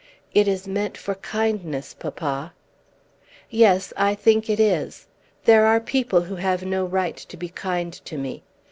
"It is meant for kindness, papa." "Yes; I think it is. There are people who have no right to be kind to me.